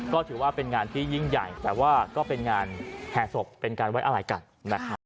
ก็ถือว่าเป็นงานที่ยิ่งใหญ่แต่ว่าก็เป็นงานแห่ศพเป็นการไว้อะไรกันนะครับ